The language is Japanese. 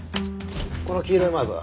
この黄色いマークは？